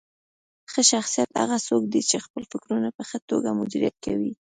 ښه شخصیت هغه څوک دی چې خپل فکرونه په ښه توګه مدیریت کوي.